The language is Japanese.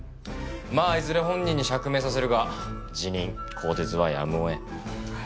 まあいずれ本人に釈明させるが辞任更迭はやむを得ん。